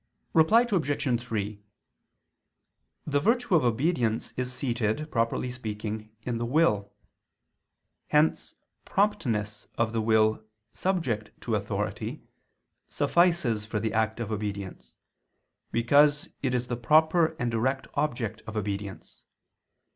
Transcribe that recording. Reply Obj. 3: The virtue of obedience is seated, properly speaking, in the will; hence promptness of the will subject to authority, suffices for the act of obedience, because it is the proper and direct object of obedience.